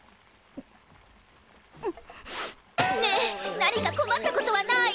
ねぇ何か困ったことはない？